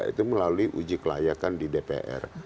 itu melalui uji kelayakan di dpr